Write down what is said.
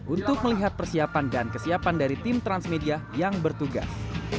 untuk melihat persiapan dan kesiapan dari tim transmedia yang bertugas